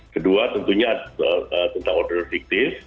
kedua tentunya tentang order fiktif